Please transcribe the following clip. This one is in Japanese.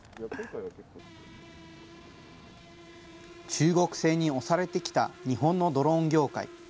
中国製に押されてきた日本のドローン業界。